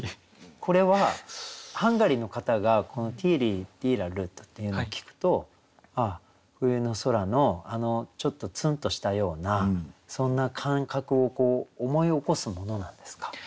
これはハンガリーの方がこの「ティーリディーラルット」っていうのを聞くとああ冬の空のあのちょっとツンとしたようなそんな感覚を思い起こすものなんですか？